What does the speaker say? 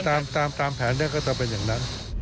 ถ้าเป็นตามแผนก็จะเป็นอย่างนั้น